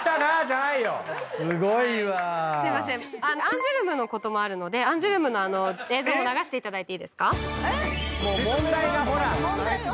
アンジュルムのこともあるのでアンジュルムの映像流してもらっていいですか？